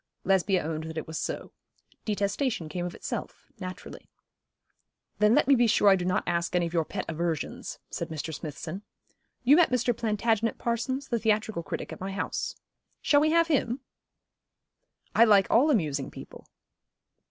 Lesbia owned that it was so. Detestation came of itself, naturally. 'Then let me be sure I do not ask any of your pet aversions,' said Mr. Smithson. 'You met Mr. Plantagenet Parsons, the theatrical critic, at my house. Shall we have him?' 'I like all amusing people.'